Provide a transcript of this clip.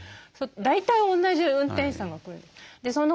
大体同じ運転手さんが来るんで。